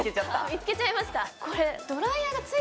見つけちゃいましたウソ？